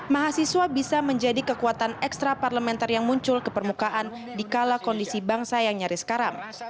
mahasiswa bisa menjadi kekuatan ekstra parlementer yang muncul ke permukaan di kala kondisi bangsa yang nyaris karam